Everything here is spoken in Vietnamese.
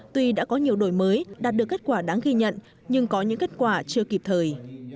tuy đã có nhiều đổi mới đạt được kết quả đáng ghi nhận nhưng có những kết quả chưa kịp thời